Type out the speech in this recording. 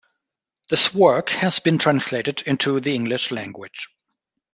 This work has been translated into the English language.